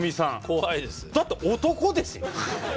だって男闘呼ですよ。